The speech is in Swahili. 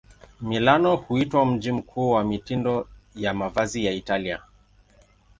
Milano huitwa mji mkuu wa mitindo ya mavazi ya Italia.